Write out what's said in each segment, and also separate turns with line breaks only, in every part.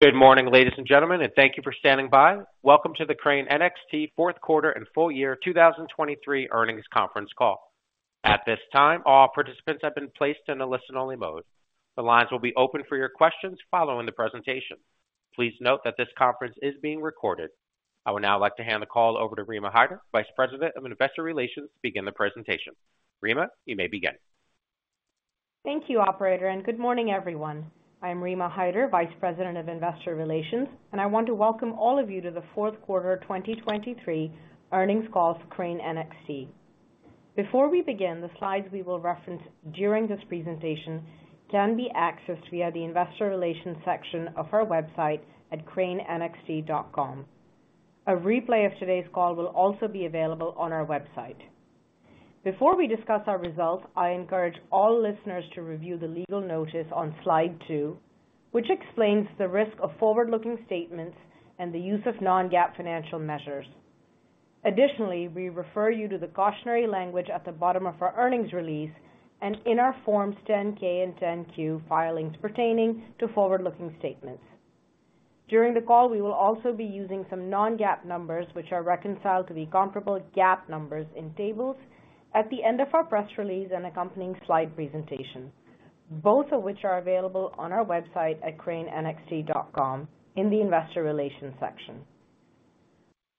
Good morning, ladies and gentlemen, and thank you for standing by. Welcome to the Crane NXT fourth quarter and full year 2023 earnings conference call. At this time, all participants have been placed in a listen-only mode. The lines will be open for your questions following the presentation. Please note that this conference is being recorded. I would now like to hand the call over to Rima Hyder, Vice President of Investor Relations, to begin the presentation. Rima, you may begin.
Thank you, operator, and good morning, everyone. I'm Rima Hyder, Vice President of Investor Relations, and I want to welcome all of you to the fourth quarter of 2023 earnings call for Crane NXT. Before we begin, the slides we will reference during this presentation can be accessed via the Investor Relations section of our website at cranenxt.com. A replay of today's call will also be available on our website. Before we discuss our results, I encourage all listeners to review the legal notice on Slide 2, which explains the risk of forward-looking statements and the use of non-GAAP financial measures. Additionally, we refer you to the cautionary language at the bottom of our earnings release and in our Forms 10-K and 10-Q filings pertaining to forward-looking statements. During the call, we will also be using some non-GAAP numbers, which are reconciled to the comparable GAAP numbers in tables at the end of our press release and accompanying slide presentation, both of which are available on our website at cranenxt.com in the Investor Relations section.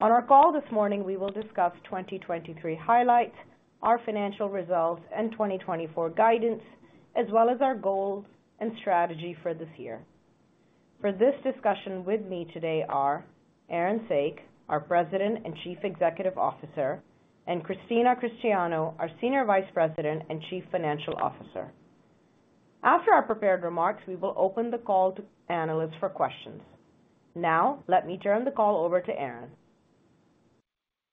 On our call this morning, we will discuss 2023 highlights, our financial results, and 2024 guidance, as well as our goals and strategy for this year. For this discussion, with me today are Aaron Saak, our President and Chief Executive Officer, and Christina Cristiano, our Senior Vice President and Chief Financial Officer. After our prepared remarks, we will open the call to analysts for questions. Now, let me turn the call over to Aaron.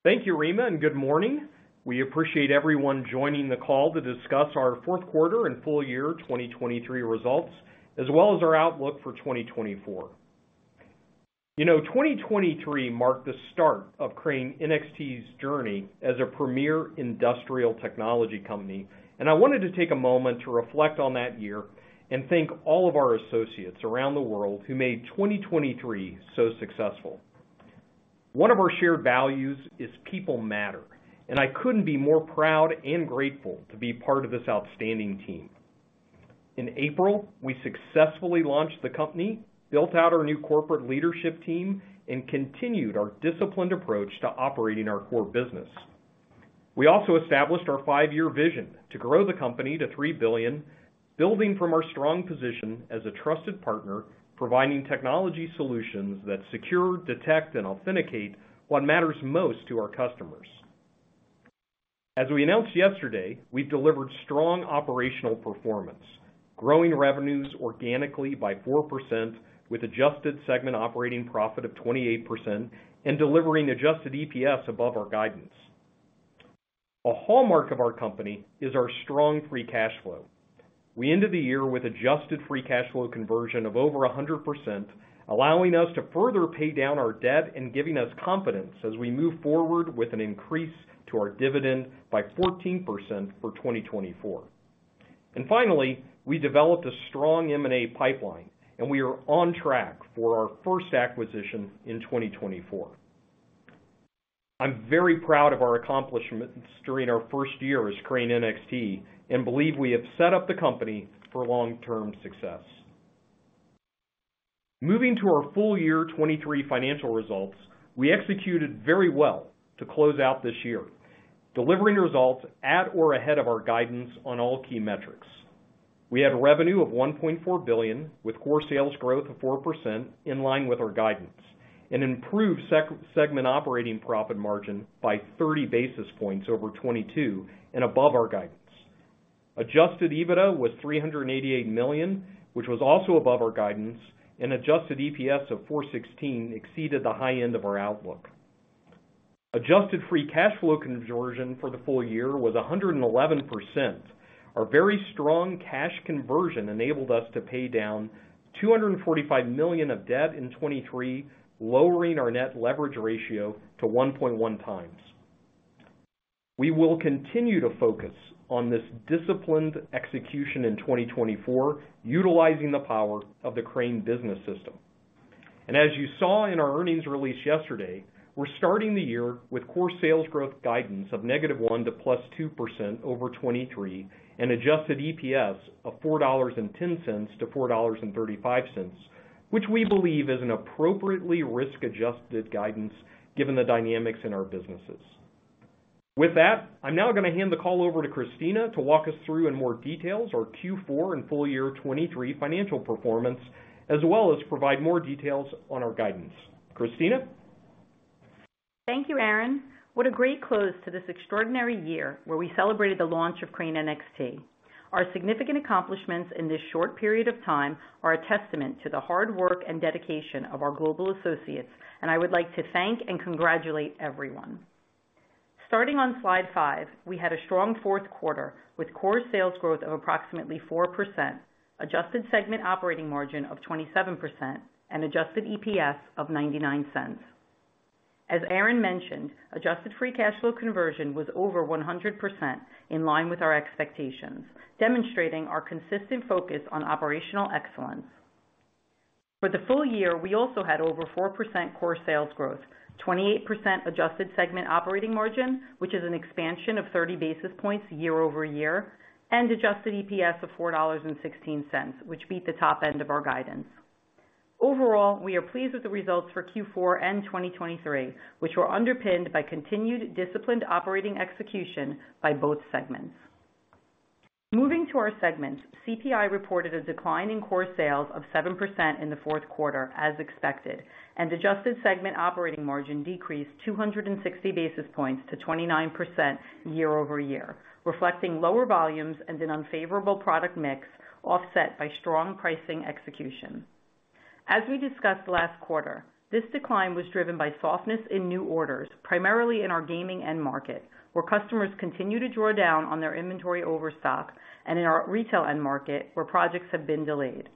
Thank you, Rima, and good morning. We appreciate everyone joining the call to discuss our fourth quarter and full year 2023 results, as well as our outlook for 2024. You know, 2023 marked the start of Crane NXT's journey as a premier industrial technology company, and I wanted to take a moment to reflect on that year and thank all of our associates around the world who made 2023 so successful. One of our shared values is People Matter, and I couldn't be more proud and grateful to be part of this outstanding team. In April, we successfully launched the company, built out our new corporate leadership team, and continued our disciplined approach to operating our core business. We also established our 5-year vision to grow the company to $3 billion, building from our strong position as a trusted partner, providing technology solutions that secure, detect, and authenticate what matters most to our customers. As we announced yesterday, we've delivered strong operational performance, growing revenues organically by 4%, with adjusted segment operating profit of 28% and delivering adjusted EPS above our guidance. A hallmark of our company is our strong free cash flow. We ended the year with adjusted free cash flow conversion of over 100%, allowing us to further pay down our debt and giving us confidence as we move forward with an increase to our dividend by 14% for 2024. Finally, we developed a strong M&A pipeline, and we are on track for our first acquisition in 2024. I'm very proud of our accomplishments during our first year as Crane NXT and believe we have set up the company for long-term success. Moving to our full year 2023 financial results, we executed very well to close out this year, delivering results at or ahead of our guidance on all key metrics. We had revenue of $1.4 billion, with core sales growth of 4% in line with our guidance, and improved segment operating profit margin by 30 basis points over 2022 and above our guidance. Adjusted EBITDA was $388 million, which was also above our guidance, and adjusted EPS of $4.16 exceeded the high end of our outlook. Adjusted free cash flow conversion for the full year was 111%. Our very strong cash conversion enabled us to pay down $245 million of debt in 2023, lowering our net leverage ratio to 1.1 times. We will continue to focus on this disciplined execution in 2024, utilizing the power of the Crane Business System. And as you saw in our earnings release yesterday, we're starting the year with core sales growth guidance of -1% to +2% over 2023, and adjusted EPS of $4.10 to $4.35, which we believe is an appropriately risk-adjusted guidance, given the dynamics in our businesses. With that, I'm now going to hand the call over to Christina to walk us through in more details our Q4 and full year 2023 financial performance, as well as provide more details on our guidance. Christina?
Thank you, Aaron. What a great close to this extraordinary year where we celebrated the launch of Crane NXT. Our significant accomplishments in this short period of time are a testament to the hard work and dedication of our global associates, and I would like to thank and congratulate everyone. Starting on slide 5, we had a strong fourth quarter with core sales growth of approximately 4%, adjusted segment operating margin of 27%, and adjusted EPS of $0.99.... As Aaron mentioned, Adjusted Free Cash Flow Conversion was over 100% in line with our expectations, demonstrating our consistent focus on operational excellence. For the full year, we also had over 4% Core Sales Growth, 28% Adjusted Segment Operating Margin, which is an expansion of 30 basis points year-over-year, and Adjusted EPS of $4.16, which beat the top end of our guidance. Overall, we are pleased with the results for Q4 and 2023, which were underpinned by continued disciplined operating execution by both segments. Moving to our segments, CPI reported a decline in core sales of 7% in the fourth quarter, as expected, and adjusted segment operating margin decreased 260 basis points to 29% year-over-year, reflecting lower volumes and an unfavorable product mix, offset by strong pricing execution. As we discussed last quarter, this decline was driven by softness in new orders, primarily in our gaming end market, where customers continue to draw down on their inventory overstock, and in our retail end market, where projects have been delayed.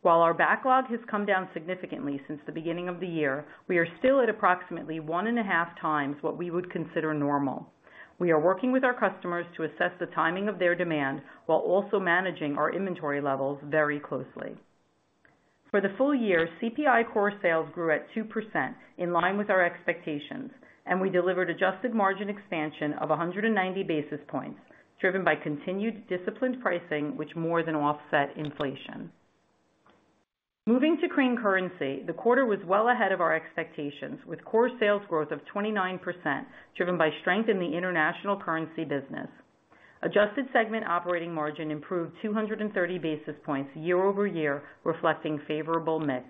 While our backlog has come down significantly since the beginning of the year, we are still at approximately 1.5 times what we would consider normal. We are working with our customers to assess the timing of their demand while also managing our inventory levels very closely. For the full year, CPI core sales grew at 2%, in line with our expectations, and we delivered adjusted margin expansion of 190 basis points, driven by continued disciplined pricing, which more than offset inflation. Moving to Crane Currency, the quarter was well ahead of our expectations, with core sales growth of 29%, driven by strength in the international currency business. Adjusted segment operating margin improved 230 basis points year-over-year, reflecting favorable mix.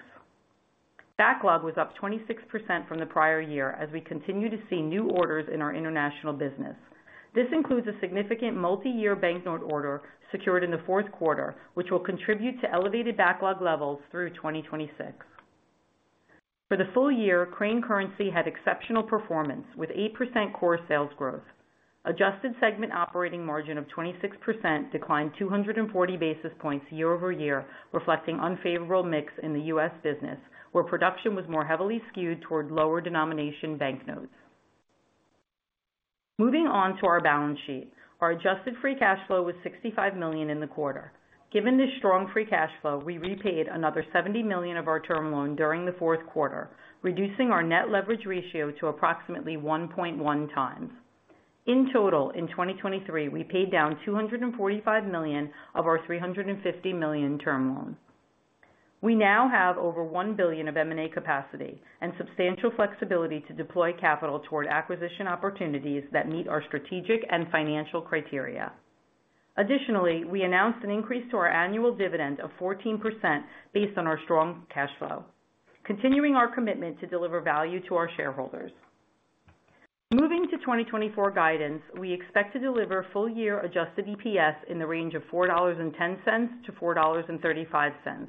Backlog was up 26% from the prior year as we continue to see new orders in our international business. This includes a significant multi-year banknote order secured in the fourth quarter, which will contribute to elevated backlog levels through 2026. For the full year, Crane Currency had exceptional performance with 8% core sales growth. Adjusted segment operating margin of 26% declined 240 basis points year-over-year, reflecting unfavorable mix in the U.S. business, where production was more heavily skewed toward lower denomination banknotes. Moving on to our balance sheet. Our adjusted free cash flow was $65 million in the quarter. Given this strong free cash flow, we repaid another $70 million of our term loan during the fourth quarter, reducing our net leverage ratio to approximately 1.1 times. In total, in 2023, we paid down $245 million of our $350 million term loan. We now have over $1 billion of M&A capacity and substantial flexibility to deploy capital toward acquisition opportunities that meet our strategic and financial criteria. Additionally, we announced an increase to our annual dividend of 14% based on our strong cash flow, continuing our commitment to deliver value to our shareholders. Moving to 2024 guidance, we expect to deliver full-year adjusted EPS in the range of $4.10-$4.35,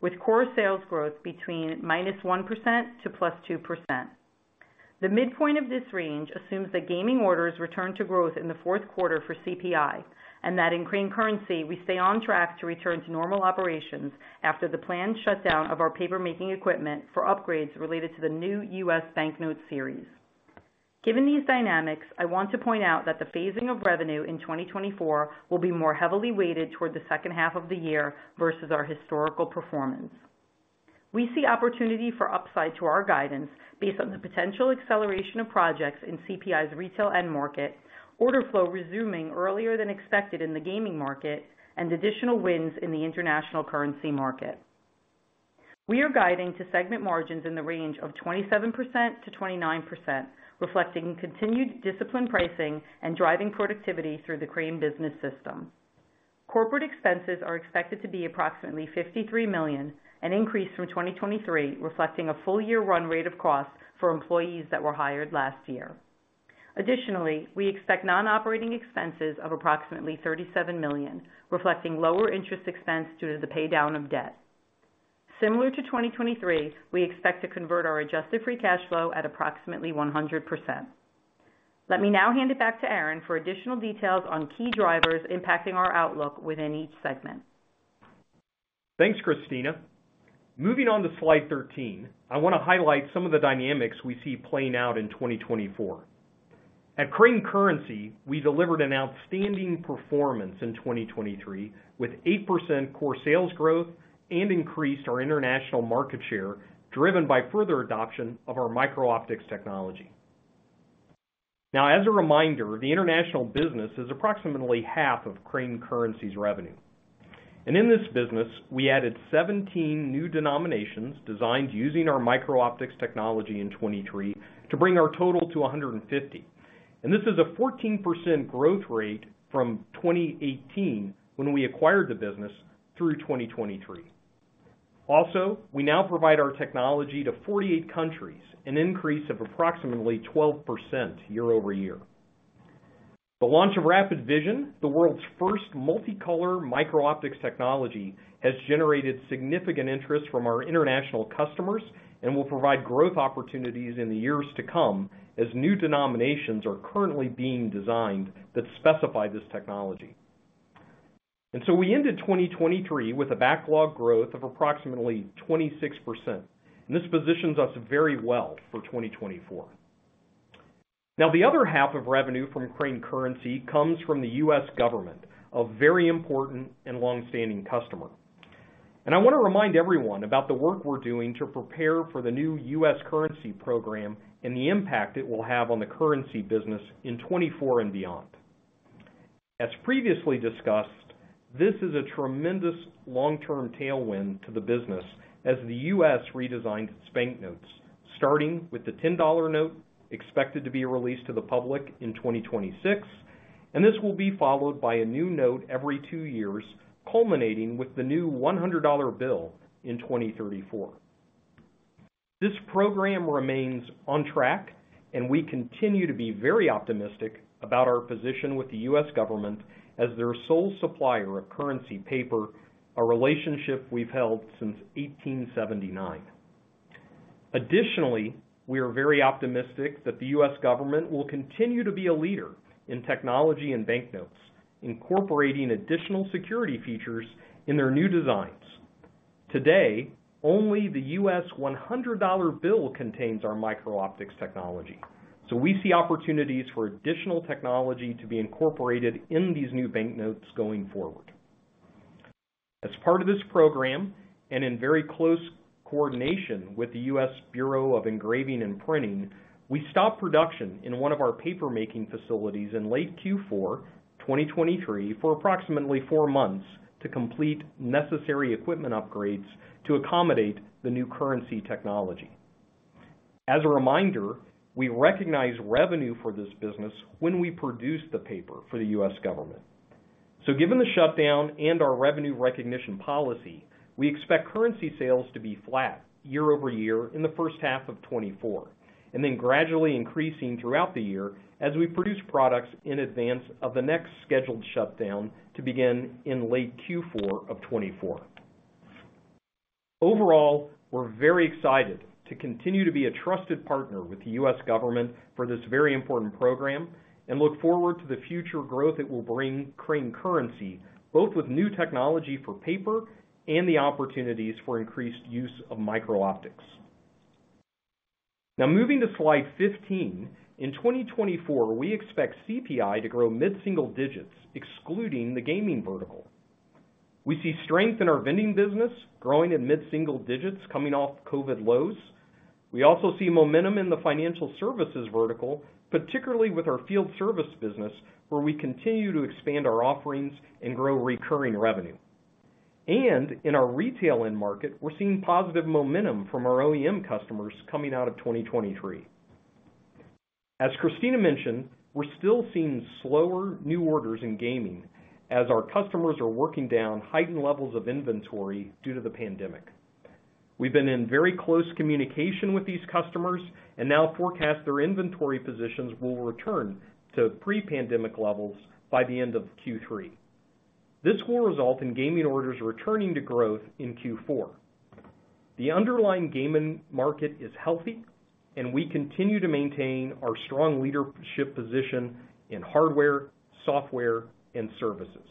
with core sales growth between -1% to +2%. The midpoint of this range assumes that gaming orders return to growth in the fourth quarter for CPI, and that in Crane Currency, we stay on track to return to normal operations after the planned shutdown of our papermaking equipment for upgrades related to the new U.S. banknote series. Given these dynamics, I want to point out that the phasing of revenue in 2024 will be more heavily weighted toward the second half of the year versus our historical performance. We see opportunity for upside to our guidance based on the potential acceleration of projects in CPI's retail end market, order flow resuming earlier than expected in the gaming market, and additional wins in the international currency market. We are guiding to segment margins in the range of 27%-29%, reflecting continued disciplined pricing and driving productivity through the Crane Business System. Corporate expenses are expected to be approximately $53 million, an increase from 2023, reflecting a full year run rate of cost for employees that were hired last year. Additionally, we expect non-operating expenses of approximately $37 million, reflecting lower interest expense due to the paydown of debt. Similar to 2023, we expect to convert our adjusted free cash flow at approximately 100%. Let me now hand it back to Aaron for additional details on key drivers impacting our outlook within each segment.
Thanks, Christina. Moving on to slide 13, I want to highlight some of the dynamics we see playing out in 2024. At Crane Currency, we delivered an outstanding performance in 2023, with 8% core sales growth and increased our international market share, driven by further adoption of our micro-optics technology. Now, as a reminder, the international business is approximately half of Crane Currency's revenue. In this business, we added 17 new denominations designed using our micro-optics technology in 2023 to bring our total to 150. This is a 14% growth rate from 2018, when we acquired the business through 2023. Also, we now provide our technology to 48 countries, an increase of approximately 12% year-over-year. The launch of RAPID Vision, the world's first multicolor micro-optics technology, has generated significant interest from our international customers and will provide growth opportunities in the years to come, as new denominations are currently being designed that specify this technology. And so we ended 2023 with a backlog growth of approximately 26%, and this positions us very well for 2024. Now, the other half of revenue from Crane Currency comes from the U.S. government, a very important and long-standing customer. And I want to remind everyone about the work we're doing to prepare for the new U.S. currency program and the impact it will have on the currency business in 2024 and beyond. As previously discussed, this is a tremendous long-term tailwind to the business as the U.S. redesigned its banknotes, starting with the $10 note, expected to be released to the public in 2026, and this will be followed by a new note every 2 years, culminating with the new $100 bill in 2034. This program remains on track, and we continue to be very optimistic about our position with the U.S. government as their sole supplier of currency paper, a relationship we've held since 1879. Additionally, we are very optimistic that the U.S. government will continue to be a leader in technology and banknotes, incorporating additional security features in their new designs. Today, only the U.S. $100 bill contains our micro-optics technology, so we see opportunities for additional technology to be incorporated in these new banknotes going forward. As part of this program, and in very close coordination with the U.S. Bureau of Engraving and Printing, we stopped production in one of our paper-making facilities in late Q4 2023 for approximately four months to complete necessary equipment upgrades to accommodate the new currency technology. As a reminder, we recognize revenue for this business when we produce the paper for the U.S. government. So given the shutdown and our revenue recognition policy, we expect currency sales to be flat year-over-year in the first half of 2024, and then gradually increasing throughout the year as we produce products in advance of the next scheduled shutdown to begin in late Q4 of 2024. Overall, we're very excited to continue to be a trusted partner with the U.S. government for this very important program, and look forward to the future growth it will bring Crane Currency, both with new technology for paper and the opportunities for increased use of micro-optics. Now, moving to slide 15. In 2024, we expect CPI to grow mid-single digits, excluding the gaming vertical. We see strength in our vending business, growing in mid-single digits coming off COVID lows. We also see momentum in the financial services vertical, particularly with our field service business, where we continue to expand our offerings and grow recurring revenue. And in our retail end market, we're seeing positive momentum from our OEM customers coming out of 2023. As Christina mentioned, we're still seeing slower new orders in gaming as our customers are working down heightened levels of inventory due to the pandemic. We've been in very close communication with these customers and now forecast their inventory positions will return to pre-pandemic levels by the end of Q3. This will result in gaming orders returning to growth in Q4. The underlying gaming market is healthy, and we continue to maintain our strong leadership position in hardware, software, and services.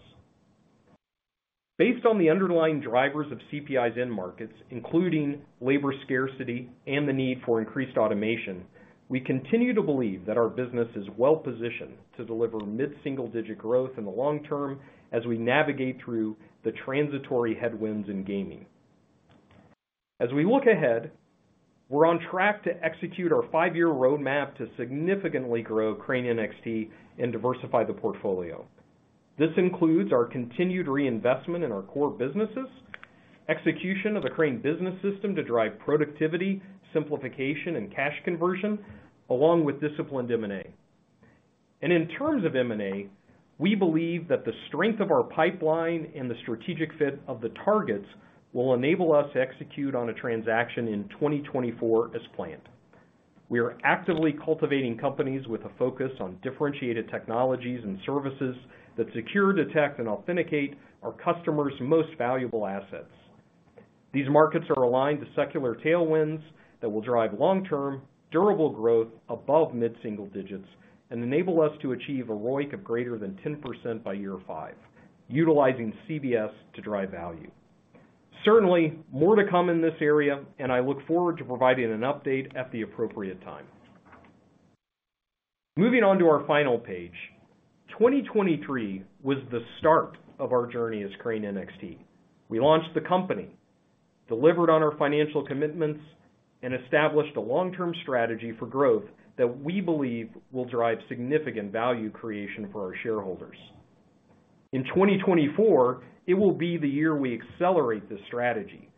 Based on the underlying drivers of CPI's end markets, including labor scarcity and the need for increased automation, we continue to believe that our business is well positioned to deliver mid-single-digit growth in the long term as we navigate through the transitory headwinds in gaming. As we look ahead, we're on track to execute our 5-year roadmap to significantly grow Crane NXT and diversify the portfolio. This includes our continued reinvestment in our core businesses, execution of the Crane Business System to drive productivity, simplification, and cash conversion, along with disciplined M&A. In terms of M&A, we believe that the strength of our pipeline and the strategic fit of the targets will enable us to execute on a transaction in 2024 as planned. We are actively cultivating companies with a focus on differentiated technologies and services that secure, detect, and authenticate our customers' most valuable assets. These markets are aligned to secular tailwinds that will drive long-term, durable growth above mid-single digits and enable us to achieve a ROIC of greater than 10% by year 5, utilizing CBS to drive value. Certainly, more to come in this area, and I look forward to providing an update at the appropriate time. Moving on to our final page. 2023 was the start of our journey as Crane NXT. We launched the company, delivered on our financial commitments, and established a long-term strategy for growth that we believe will drive significant value creation for our shareholders. In 2024, it will be the year we accelerate this strategy,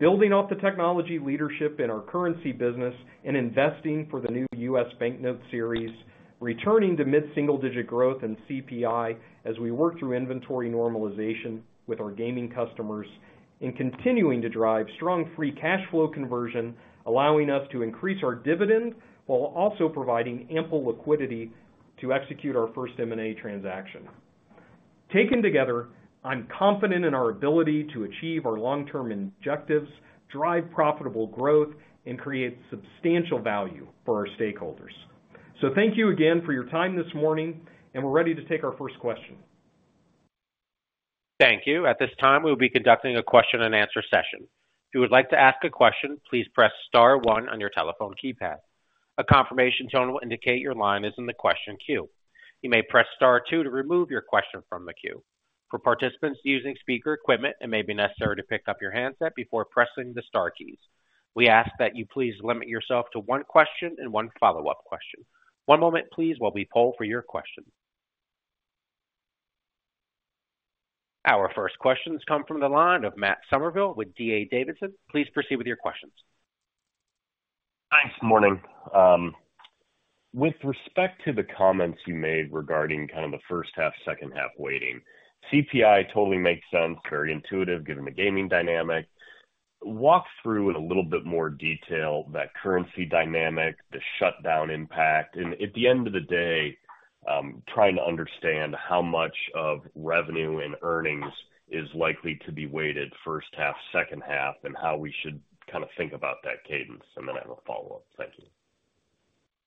building off the technology leadership in our currency business and investing for the new U.S. banknote series, returning to mid-single-digit growth in CPI as we work through inventory normalization with our gaming customers, and continuing to drive strong free cash flow conversion, allowing us to increase our dividend while also providing ample liquidity to execute our first M&A transaction. Taken together, I'm confident in our ability to achieve our long-term objectives, drive profitable growth, and create substantial value for our stakeholders.... So thank you again for your time this morning, and we're ready to take our first question.
Thank you. At this time, we'll be conducting a question-and-answer session. If you would like to ask a question, please press star one on your telephone keypad. A confirmation tone will indicate your line is in the question queue. You may press star two to remove your question from the queue. For participants using speaker equipment, it may be necessary to pick up your handset before pressing the star keys. We ask that you please limit yourself to one question and one follow-up question. One moment, please, while we poll for your question. Our first questions come from the line of Matt Summerville with D.A. Davidson. Please proceed with your questions.
Hi, good morning. With respect to the comments you made regarding kind of the first half, second half weighting, CPI totally makes sense, very intuitive, given the gaming dynamic. Walk through in a little bit more detail that currency dynamic, the shutdown impact, and at the end of the day, trying to understand how much of revenue and earnings is likely to be weighted first half, second half, and how we should kind of think about that cadence, and then I have a follow-up. Thank you.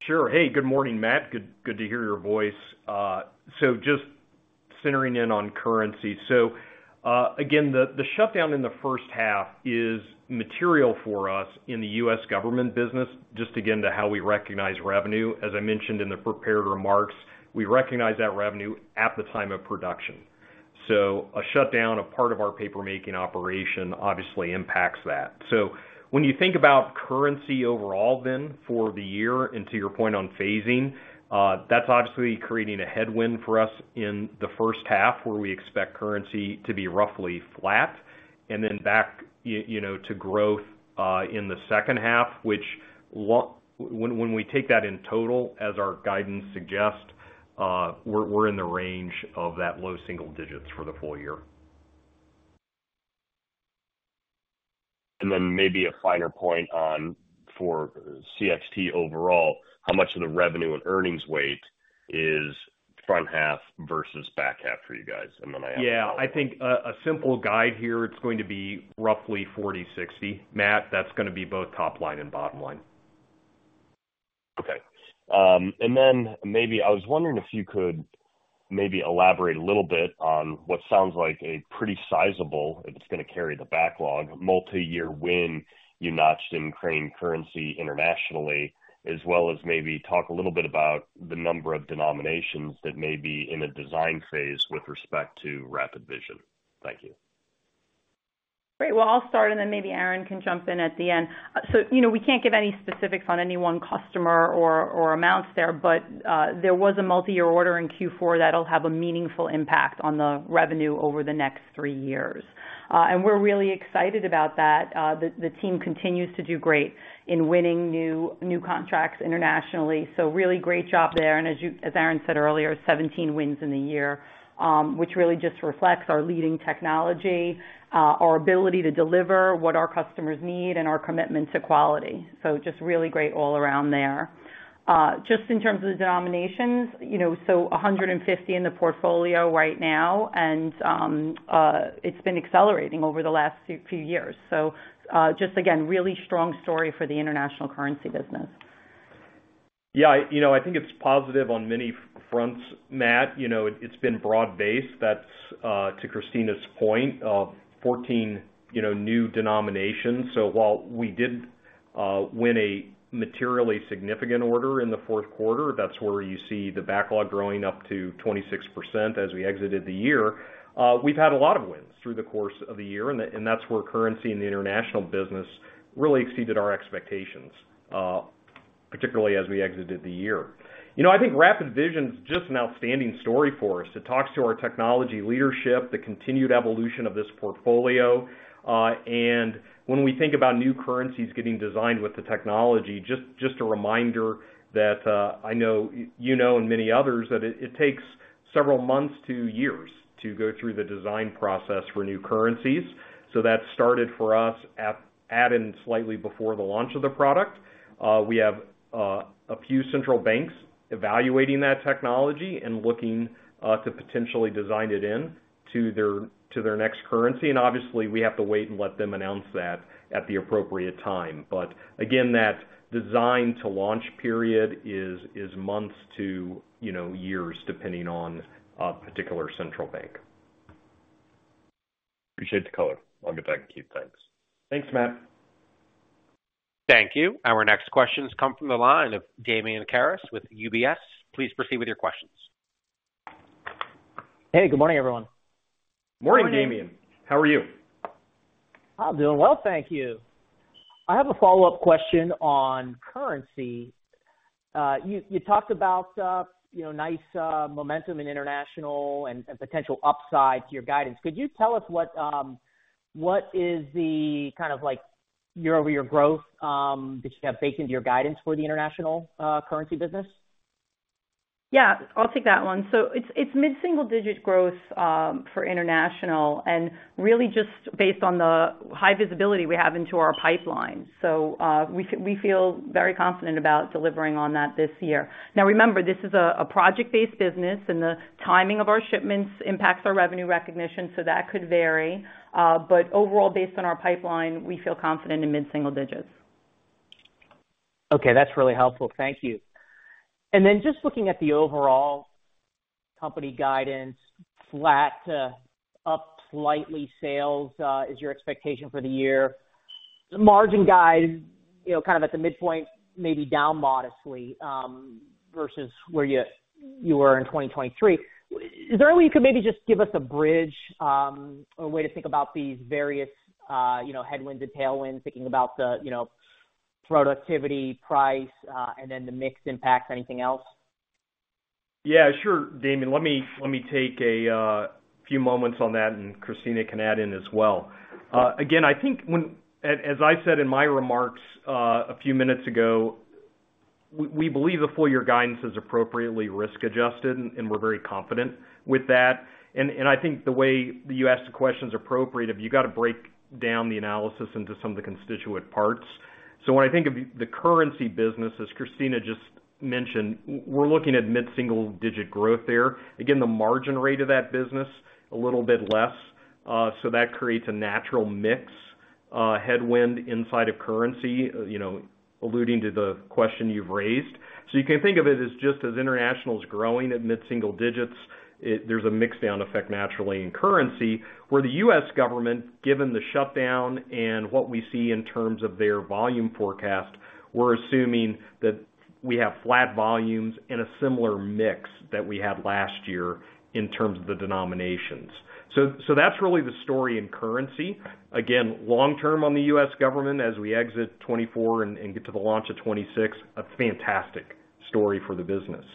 Sure. Hey, good morning, Matt. Good, good to hear your voice. So just centering in on currency. So, again, the shutdown in the first half is material for us in the U.S. government business, just again, to how we recognize revenue. As I mentioned in the prepared remarks, we recognize that revenue at the time of production. So a shutdown of part of our paper-making operation obviously impacts that. So when you think about currency overall, then for the year, and to your point on phasing, that's obviously creating a headwind for us in the first half, where we expect currency to be roughly flat and then back, you know, to growth, in the second half, which, when we take that in total, as our guidance suggests, we're in the range of that low single digits for the full year.
And then maybe a finer point on for CXT overall, how much of the revenue and earnings weight is front half versus back half for you guys? And then I have a follow-up.
Yeah, I think a simple guide here, it's going to be roughly 40/60. Matt, that's going to be both top line and bottom line.
Okay. And then maybe I was wondering if you could maybe elaborate a little bit on what sounds like a pretty sizable, if it's going to carry the backlog, multi-year win you notched in Crane Currency internationally, as well as maybe talk a little bit about the number of denominations that may be in a design phase with respect to RAPID Vision. Thank you.
Great. Well, I'll start, and then maybe Aaron can jump in at the end. So, you know, we can't give any specifics on any one customer or amounts there, but there was a multi-year order in Q4 that'll have a meaningful impact on the revenue over the next three years. And we're really excited about that. The team continues to do great in winning new contracts internationally. So really great job there. And as Aaron said earlier, 17 wins in the year, which really just reflects our leading technology, our ability to deliver what our customers need and our commitment to quality. So just really great all around there. Just in terms of the denominations, you know, so 150 in the portfolio right now, and it's been accelerating over the last few years. So, just again, really strong story for the international currency business.
Yeah, you know, I think it's positive on many fronts, Matt. You know, it's been broad-based. That's to Christina's point of 14, you know, new denominations. So while we did win a materially significant order in the fourth quarter, that's where you see the backlog growing up to 26% as we exited the year. We've had a lot of wins through the course of the year, and that's where currency in the international business really exceeded our expectations, particularly as we exited the year. You know, I think RAPID Vision is just an outstanding story for us. It talks to our technology leadership, the continued evolution of this portfolio, and when we think about new currencies getting designed with the technology, just a reminder that, I know, you know, and many others, that it takes several months to years to go through the design process for new currencies. So that started for us in slightly before the launch of the product. We have a few central banks evaluating that technology and looking to potentially design it in to their next currency, and obviously, we have to wait and let them announce that at the appropriate time. But again, that design to launch period is months to, you know, years, depending on a particular central bank.
Appreciate the color. I'll get back to you. Thanks.
Thanks, Matt.
Thank you. Our next questions come from the line of Damian Karas with UBS. Please proceed with your questions.
Hey, good morning, everyone.
Morning, Damian. How are you?
I'm doing well, thank you. I have a follow-up question on currency. You talked about, you know, nice momentum in international and potential upside to your guidance. Could you tell us what is the kind of like year-over-year growth that you have baked into your guidance for the international currency business?
Yeah, I'll take that one. So it's mid-single digit growth for international, and really just based on the high visibility we have into our pipeline. So, we feel very confident about delivering on that this year. Now, remember, this is a project-based business, and the timing of our shipments impacts our revenue recognition, so that could vary. But overall, based on our pipeline, we feel confident in mid-single digits....
Okay, that's really helpful. Thank you. And then just looking at the overall company guidance, flat to up slightly sales, is your expectation for the year. The margin guide, you know, kind of at the midpoint, maybe down modestly, versus where you, you were in 2023. Is there a way you could maybe just give us a bridge, or a way to think about these various, you know, headwinds and tailwinds, thinking about the, you know, productivity, price, and then the mix impacts, anything else?
Yeah, sure, Damian. Let me, let me take a few moments on that, and Christina can add in as well. Again, I think, as, as I said in my remarks, a few minutes ago, we, we believe the full year guidance is appropriately risk-adjusted, and, and we're very confident with that. And, and I think the way you asked the question is appropriate, if you got to break down the analysis into some of the constituent parts. So when I think of the currency business, as Christina just mentioned, we're looking at mid-single digit growth there. Again, the margin rate of that business, a little bit less, so that creates a natural mix headwind inside of currency, you know, alluding to the question you've raised. So you can think of it as just as international is growing at mid-single digits, there's a mix down effect naturally in currency, where the U.S. government, given the shutdown and what we see in terms of their volume forecast, we're assuming that we have flat volumes and a similar mix that we had last year in terms of the denominations. So, so that's really the story in currency. Again, long term on the U.S. government, as we exit 2024 and get to the launch of 2026, a fantastic story for the business.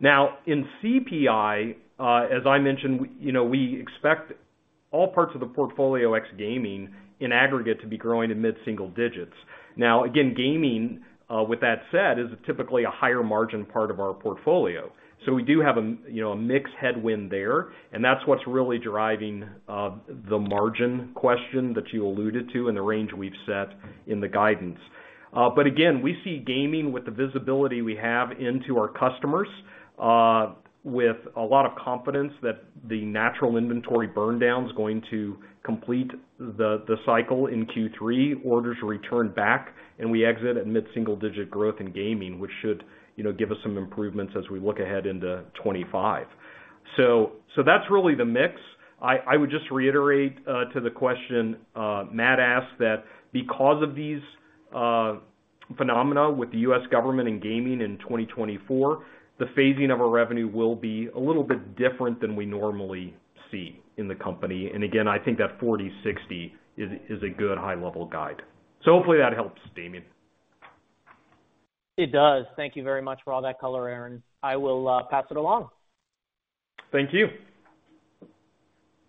Now, in CPI, as I mentioned, we, you know, we expect all parts of the portfolio, ex gaming, in aggregate, to be growing in mid-single digits. Now, again, gaming, with that said, is typically a higher margin part of our portfolio. So we do have a, you know, a mix headwind there, and that's what's really driving the margin question that you alluded to and the range we've set in the guidance. But again, we see gaming with the visibility we have into our customers with a lot of confidence that the natural inventory burn down is going to complete the cycle in Q3, orders return back, and we exit at mid-single digit growth in gaming, which should, you know, give us some improvements as we look ahead into 25. So that's really the mix. I would just reiterate to the question Matt asked that because of these phenomena with the U.S. government and gaming in 2024, the phasing of our revenue will be a little bit different than we normally see in the company. Again, I think that 40/60 is a good high-level guide. So hopefully that helps, Damian.
It does. Thank you very much for all that color, Aaron. I will pass it along.
Thank you.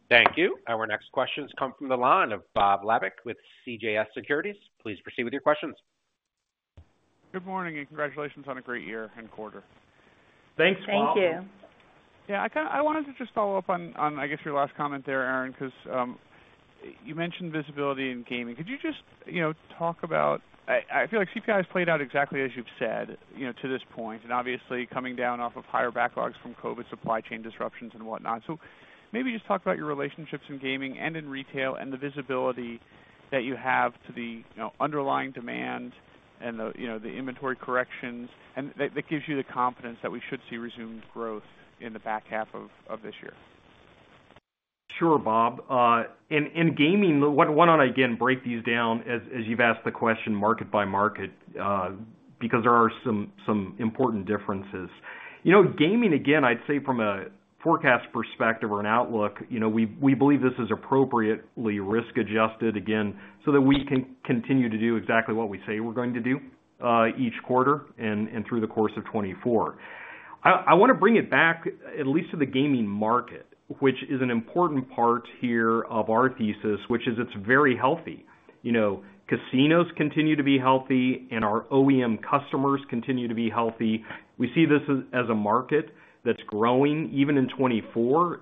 Thank you. Our next questions come from the line of Bob Labick with CJS Securities. Please proceed with your questions.
Good morning, and congratulations on a great year and quarter.
Thanks, Bob.
Thank you.
Yeah, I wanted to just follow up on, on, I guess, your last comment there, Aaron, because you mentioned visibility in gaming. Could you just, you know, talk about... I, I feel like CPI has played out exactly as you've said, you know, to this point, and obviously coming down off of higher backlogs from COVID supply chain disruptions and whatnot. So maybe just talk about your relationships in gaming and in retail, and the visibility that you have to the, you know, underlying demand and the, you know, the inventory corrections, and that, that gives you the confidence that we should see resumed growth in the back half of, of this year.
Sure, Bob. In gaming, why don't I again break these down as you've asked the question, market by market, because there are some important differences. You know, gaming, again, I'd say from a forecast perspective or an outlook, you know, we believe this is appropriately risk-adjusted, again, so that we can continue to do exactly what we say we're going to do, each quarter and through the course of 2024. I want to bring it back at least to the gaming market, which is an important part here of our thesis, which is it's very healthy. You know, casinos continue to be healthy and our OEM customers continue to be healthy. We see this as a market that's growing, even in 2024,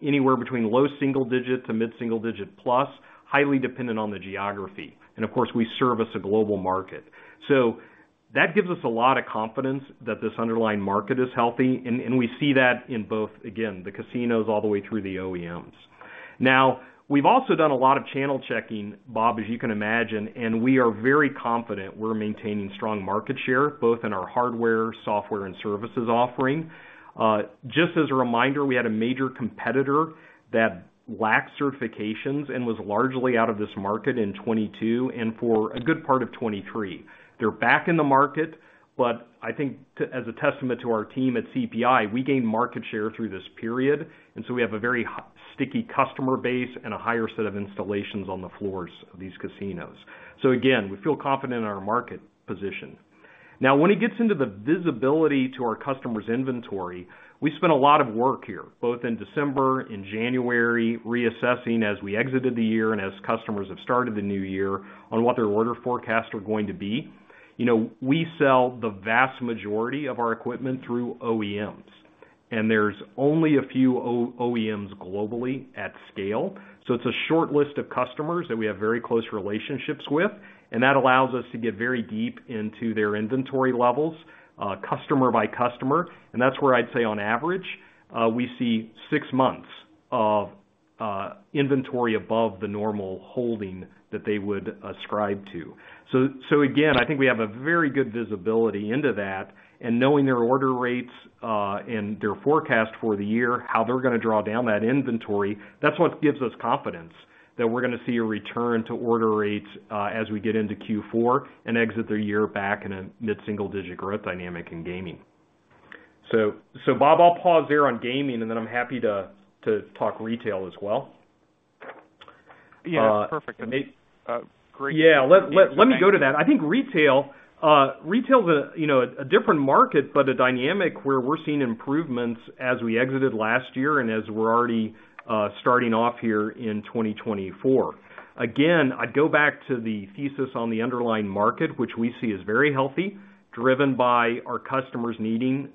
anywhere between low single digits to mid-single digit plus, highly dependent on the geography. And of course, we serve as a global market. So that gives us a lot of confidence that this underlying market is healthy, and we see that in both, again, the casinos all the way through the OEMs. Now, we've also done a lot of channel checking, Bob, as you can imagine, and we are very confident we're maintaining strong market share, both in our hardware, software, and services offering. Just as a reminder, we had a major competitor that lacked certifications and was largely out of this market in 2022 and for a good part of 2023. They're back in the market, but I think, as a testament to our team at CPI, we gained market share through this period, and so we have a very sticky customer base and a higher set of installations on the floors of these casinos. So again, we feel confident in our market position. Now, when it gets into the visibility to our customers' inventory, we spent a lot of work here, both in December and January, reassessing as we exited the year and as customers have started the new year on what their order forecasts are going to be. You know, we sell the vast majority of our equipment through OEMs, and there's only a few OEMs globally at scale. So it's a short list of customers that we have very close relationships with, and that allows us to get very deep into their inventory levels, customer by customer. And that's where I'd say on average, we see six months of inventory above the normal holding that they would ascribe to. So, so again, I think we have a very good visibility into that, and knowing their order rates, and their forecast for the year, how they're gonna draw down that inventory, that's what gives us confidence that we're gonna see a return to order rates, as we get into Q4 and exit their year back in a mid-single digit growth dynamic in gaming. So, so Bob, I'll pause there on gaming, and then I'm happy to, to talk retail as well.
Yeah, perfect. Great.
Yeah. Let me go to that. I think retail's a, you know, a different market, but a dynamic where we're seeing improvements as we exited last year and as we're already starting off here in 2024. Again, I'd go back to the thesis on the underlying market, which we see as very healthy, driven by our customers needing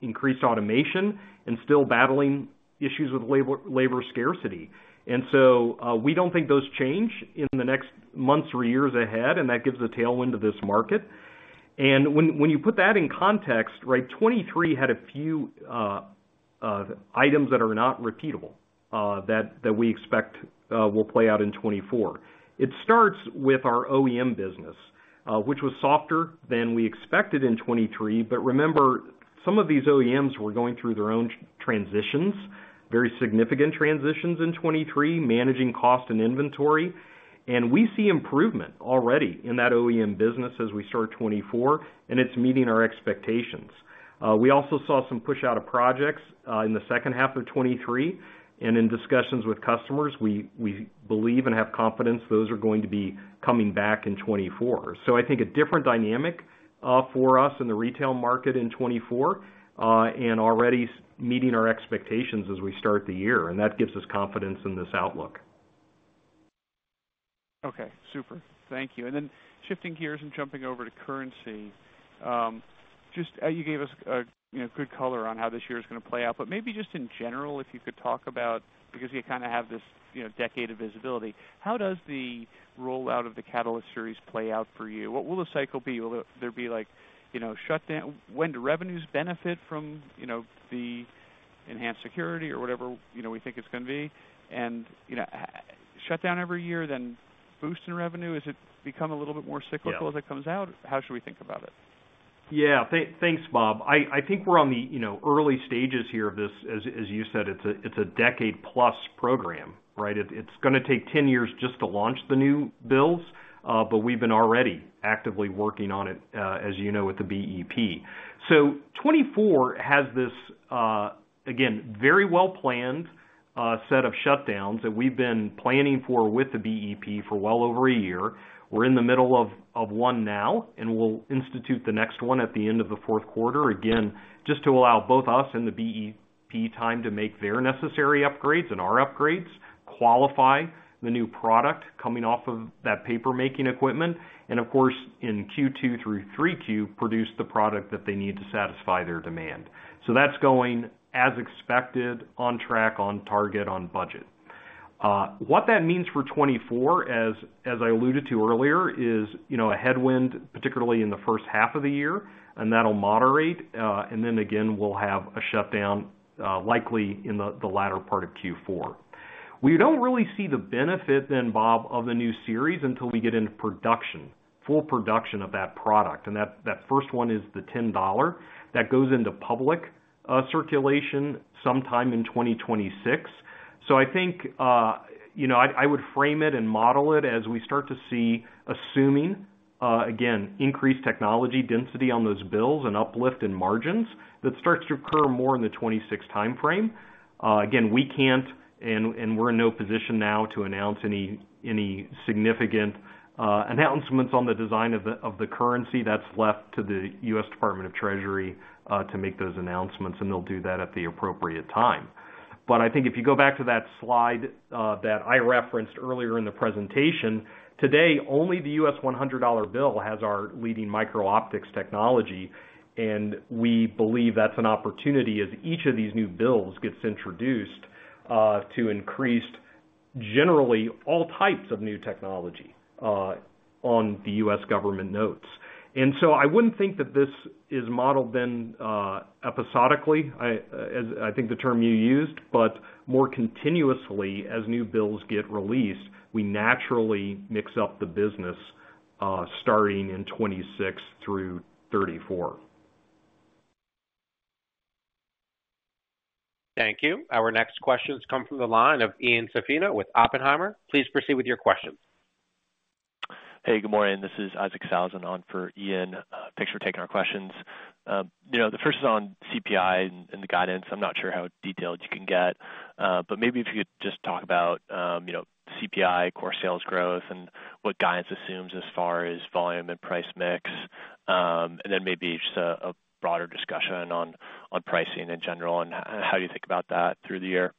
increased automation and still battling issues with labor scarcity. And so, we don't think those change in the next months or years ahead, and that gives a tailwind to this market. And when you put that in context, right, 2023 had a few items that are not repeatable that we expect will play out in 2024. It starts with our OEM business, which was softer than we expected in 2023. But remember, some of these OEMs were going through their own transitions, very significant transitions in 2023, managing cost and inventory. And we see improvement already in that OEM business as we start 2024, and it's meeting our expectations. We also saw some push out of projects in the second half of 2023, and in discussions with customers, we believe and have confidence those are going to be coming back in 2024. So I think a different dynamic for us in the retail market in 2024, and already meeting our expectations as we start the year, and that gives us confidence in this outlook.
Okay, super. Thank you. And then shifting gears and jumping over to currency, just, you gave us a, you know, good color on how this year is gonna play out, but maybe just in general, if you could talk about, because you kinda have this, you know, decade of visibility, how does the rollout of the Catalyst series play out for you? What will the cycle be? Will there be like, you know, shut down... When do revenues benefit from, you know, the enhanced security or whatever, you know, we think it's gonna be? And, you know, shut down every year, then boost in revenue, is it become a little bit more cyclical-
Yeah
as it comes out? How should we think about it?
Yeah. Thanks, Bob. I think we're on the, you know, early stages here of this. As you said, it's a decade-plus program, right? It's gonna take 10 years just to launch the new builds, but we've been already actively working on it, as you know, with the BEP. So 2024 has this, again, very well-planned set of shutdowns that we've been planning for with the BEP for well over a year. We're in the middle of one now, and we'll institute the next one at the end of the fourth quarter. Again, just to allow both us and the BEP time to make their necessary upgrades and our upgrades, qualify the new product coming off of that paper-making equipment, and of course, in Q2 through Q3, produce the product that they need to satisfy their demand. So that's going as expected, on track, on target, on budget. What that means for 2024, as, as I alluded to earlier, is, you know, a headwind, particularly in the first half of the year, and that'll moderate, and then again, we'll have a shutdown, likely in the latter part of Q4. We don't really see the benefit then, Bob, of the new series until we get into production, full production of that product, and that first one is the $10 that goes into public circulation sometime in 2026. So I think, you know, I would frame it and model it as we start to see, assuming, again, increased technology density on those builds and uplift in margins, that starts to occur more in the 2026 timeframe. Again, we can't, and we're in no position now to announce any significant announcements on the design of the currency that's left to the U.S. Department of Treasury to make those announcements, and they'll do that at the appropriate time. But I think if you go back to that slide that I referenced earlier in the presentation, today, only the U.S. $100 bill has our leading micro-optics technology, and we believe that's an opportunity as each of these new bills gets introduced to increased generally all types of new technology on the U.S. government notes. So I wouldn't think that this is modeled then episodically as I think the term you used, but more continuously as new bills get released, we naturally mix up the business starting in 2026-2034.
Thank you. Our next question has come from the line of Ian Zaffino with Oppenheimer. Please proceed with your question.
Hey, good morning. This is Isaac Sellhausen on for Ian. Thanks for taking our questions. You know, the first is on CPI and, and the guidance. I'm not sure how detailed you can get, but maybe if you could just talk about, you know, CPI, core sales growth, and what guidance assumes as far as volume and price mix, and then maybe just a, a broader discussion on, on pricing in general and how you think about that through the year.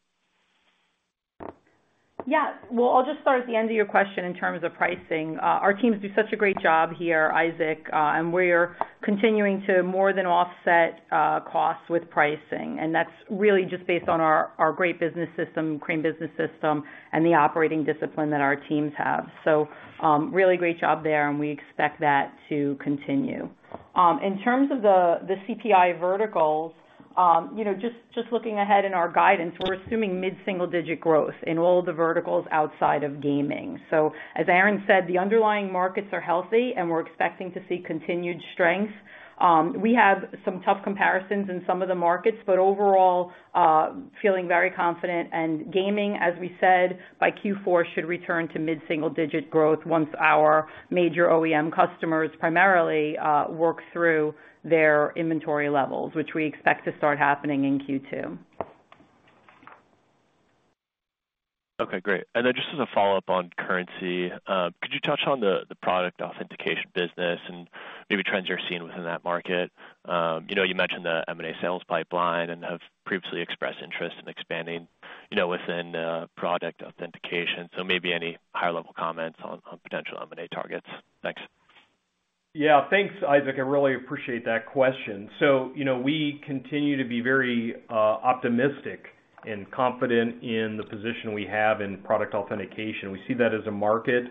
Yeah, well, I'll just start at the end of your question in terms of pricing. Our teams do such a great job here, Isaac, and we're continuing to more than offset costs with pricing, and that's really just based on our great business system, Crane Business System, and the operating discipline that our teams have. So, really great job there, and we expect that to continue. In terms of the CPI verticals, you know, just looking ahead in our guidance, we're assuming mid-single-digit growth in all the verticals outside of gaming. So as Aaron said, the underlying markets are healthy, and we're expecting to see continued strength. We have some tough comparisons in some of the markets, but overall, feeling very confident. Gaming, as we said, by Q4, should return to mid-single-digit growth once our major OEM customers primarily work through their inventory levels, which we expect to start happening in Q2.
Okay, great. And then just as a follow-up on currency, could you touch on the product authentication business and maybe trends you're seeing within that market? You know, you mentioned the M&A sales pipeline and have previously expressed interest in expanding, you know, within product authentication. So maybe any high-level comments on potential M&A targets. Thanks.
Yeah, thanks, Isaac. I really appreciate that question. So, you know, we continue to be very optimistic and confident in the position we have in product authentication. We see that as a market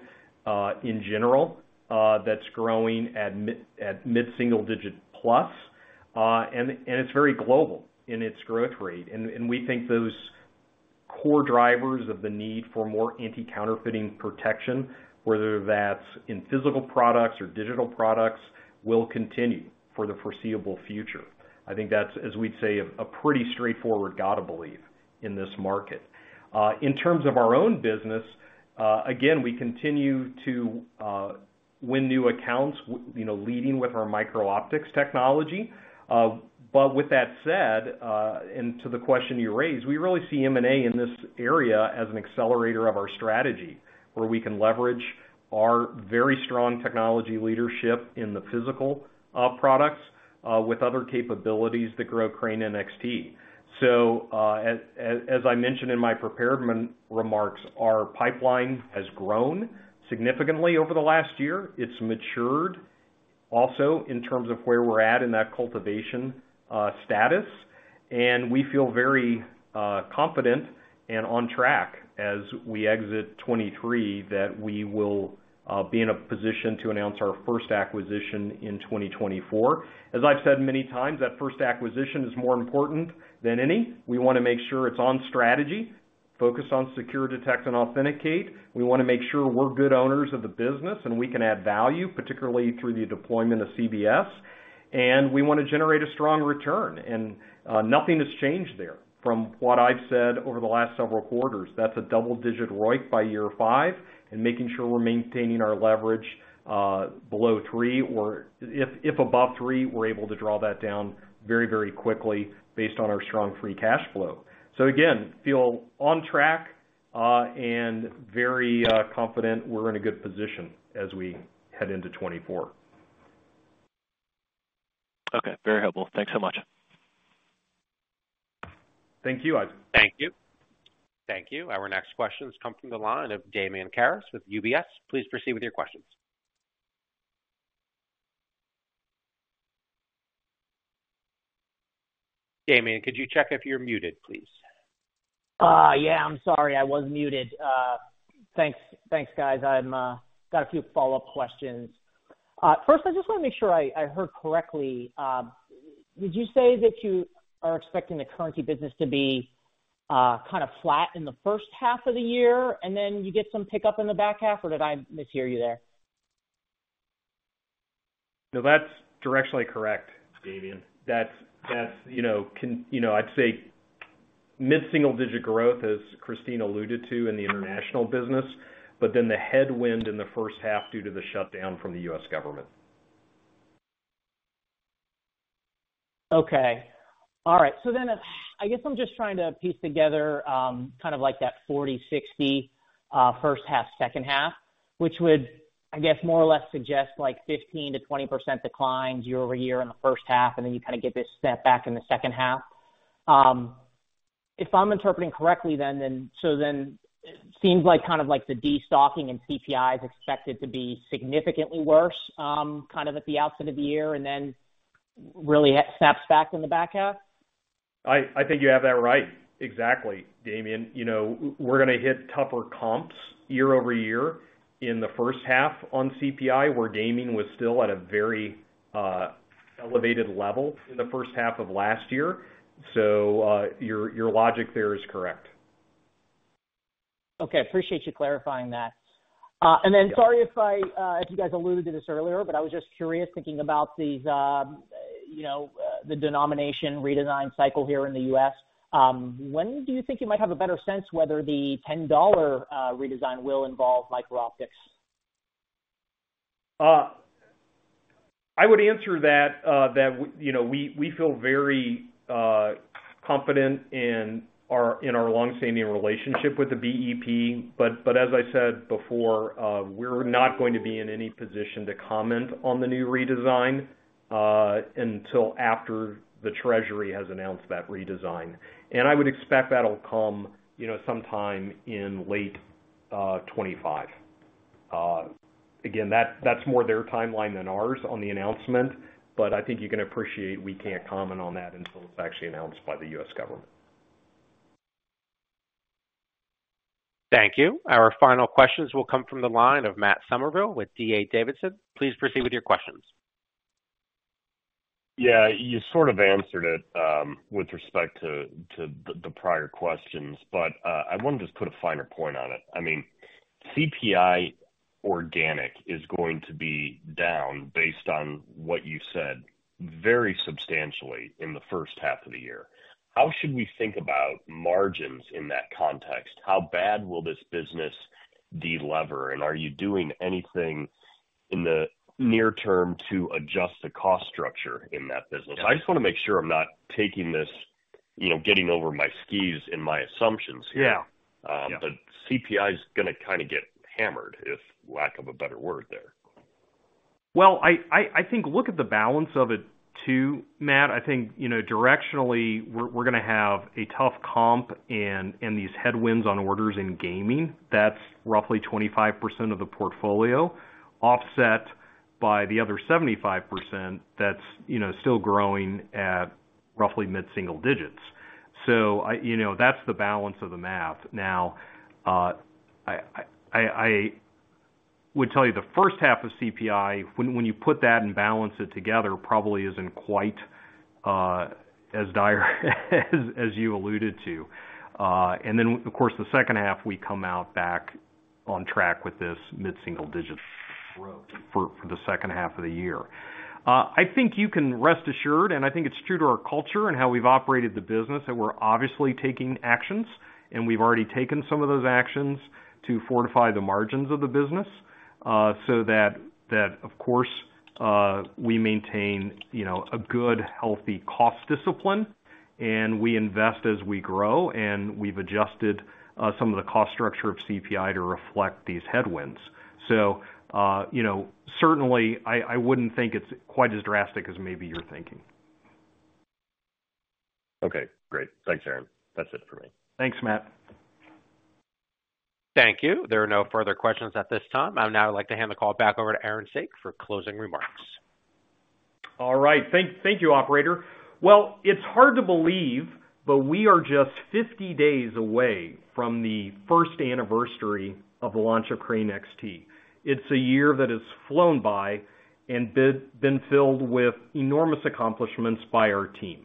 in general that's growing at mid-single digit plus, and it's very global in its growth rate. And we think those core drivers of the need for more anti-counterfeiting protection, whether that's in physical products or digital products, will continue for the foreseeable future. I think that's, as we'd say, a pretty straightforward gotta believe in this market. In terms of our own business, again, we continue to win new accounts, you know, leading with our micro-optics technology. But with that said, and to the question you raised, we really see M&A in this area as an accelerator of our strategy, where we can leverage our very strong technology leadership in the physical products with other capabilities to grow Crane NXT. So, as I mentioned in my prepared remarks, our pipeline has grown significantly over the last year. It's matured also in terms of where we're at in that cultivation status, and we feel very confident and on track as we exit 2023, that we will be in a position to announce our first acquisition in 2024. As I've said many times, that first acquisition is more important than any. We wanna make sure it's on strategy, focused on secure, detect, and authenticate. We wanna make sure we're good owners of the business and we can add value, particularly through the deployment of CBS. And we wanna generate a strong return, and nothing has changed there from what I've said over the last several quarters. That's a double-digit ROIC by year five, and making sure we're maintaining our leverage below three, or if above three, we're able to draw that down very, very quickly based on our strong free cash flow. So again, feel on track and very confident we're in a good position as we head into 2024.
Okay, very helpful. Thanks so much.
Thank you, Isaac.
Thank you.
Thank you. Our next question comes from the line of Damian Karas with UBS. Please proceed with your questions. Damian, could you check if you're muted, please?
Yeah, I'm sorry, I was muted. Thanks. Thanks, guys. I've got a few follow-up questions. First, I just wanna make sure I heard correctly. Did you say that you are expecting the currency business to be kind of flat in the first half of the year, and then you get some pickup in the back half, or did I mishear you there?
No, that's directionally correct, Damian. That's you know, I'd say mid-single-digit growth, as Christina alluded to in the international business, but then the headwind in the first half due to the shutdown from the U.S. government.
Okay. All right. So then I guess I'm just trying to piece together, kind of like that 40/60, first half, second half, which would, I guess, more or less suggest like 15%-20% declines year-over-year in the first half, and then you kind of get this step back in the second half. If I'm interpreting correctly then, then, so then it seems like, kind of like the destocking and CPI is expected to be significantly worse, kind of at the outset of the year, and then really snaps back in the back half?
I think you have that right. Exactly, Damian. You know, we're gonna hit tougher comps year-over-year in the first half on CPI, where gaming was still at a very elevated level in the first half of last year. So, your logic there is correct.
Okay, appreciate you clarifying that. And then-
Yeah.
- Sorry if I, if you guys alluded to this earlier, but I was just curious, thinking about these, you know, the denomination redesign cycle here in the U.S. When do you think you might have a better sense whether the 10-dollar redesign will involve micro-optics?
I would answer that, you know, we feel very confident in our long-standing relationship with the BEP. But as I said before, we're not going to be in any position to comment on the new redesign until after the treasury has announced that redesign. And I would expect that'll come, you know, sometime in late 2025. Again, that's more their timeline than ours on the announcement, but I think you can appreciate we can't comment on that until it's actually announced by the U.S. government.
Thank you. Our final questions will come from the line of Matt Summerville with D.A. Davidson. Please proceed with your questions.
Yeah, you sort of answered it with respect to the prior questions, but I want to just put a finer point on it. I mean, CPI organic is going to be down based on what you said, very substantially in the first half of the year. How should we think about margins in that context? How bad will this business de-lever, and are you doing anything in the near term to adjust the cost structure in that business? I just want to make sure I'm not taking this, you know, getting over my skis in my assumptions here.
Yeah.
But CPI is going to kind of get hammered, if lack of a better word there.
Well, I think look at the balance of it, too, Matt. I think, you know, directionally, we're going to have a tough comp and these headwinds on orders in gaming, that's roughly 25% of the portfolio, offset by the other 75% that's, you know, still growing at roughly mid-single digits. So I... You know, that's the balance of the math. Now, I would tell you, the first half of CPI, when you put that and balance it together, probably isn't quite as dire as you alluded to. And then, of course, the second half, we come out back on track with this mid-single digits growth for the second half of the year. I think you can rest assured, and I think it's true to our culture and how we've operated the business, that we're obviously taking actions, and we've already taken some of those actions to fortify the margins of the business. So that, of course, we maintain, you know, a good, healthy cost discipline, and we invest as we grow, and we've adjusted some of the cost structure of CPI to reflect these headwinds. So, you know, certainly, I wouldn't think it's quite as drastic as maybe you're thinking.
Okay, great. Thanks, Aaron. That's it for me.
Thanks, Matt.
Thank you. There are no further questions at this time. I'd now like to hand the call back over to Aaron Saak for closing remarks.
All right. Thank you, operator. Well, it's hard to believe, but we are just 50 days away from the first anniversary of the launch of Crane NXT. It's a year that has flown by and been filled with enormous accomplishments by our team.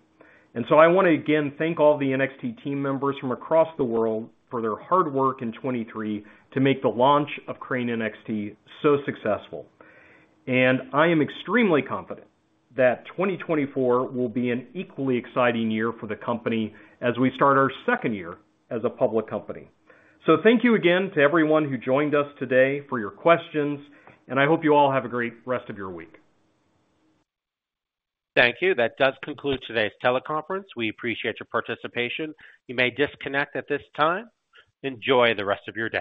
And so I want to again thank all the NXT team members from across the world for their hard work in 2023 to make the launch of Crane NXT so successful. And I am extremely confident that 2024 will be an equally exciting year for the company as we start our second year as a public company. So thank you again to everyone who joined us today for your questions, and I hope you all have a great rest of your week.
Thank you. That does conclude today's teleconference. We appreciate your participation. You may disconnect at this time. Enjoy the rest of your day.